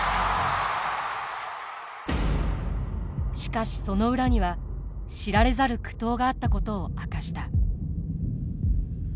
しかしその裏には知られざる苦闘があったことを明かした。